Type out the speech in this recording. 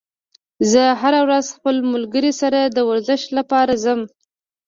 زه هره ورځ خپل ملګري سره د ورزش لپاره ځم